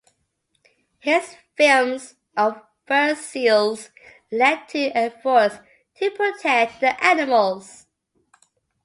His films of fur seals led to efforts to protect the animals.